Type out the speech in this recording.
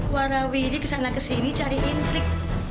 warawiri kesana kesini cari intrik